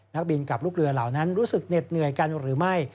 นักบินกับลูกเรือเหล่านั้นรู้สึกเหน็ดเหนื่อยกันหรือไม่